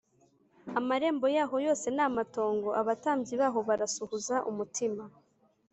Amarembo yaho yose ni amatongo, Abatambyi baho barasuhuza umutima.